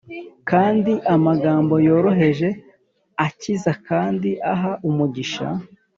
kandi amagambo yoroheje akiza kandi aha umugisha;